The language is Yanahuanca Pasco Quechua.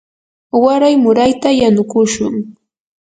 waray murayta yanukushun.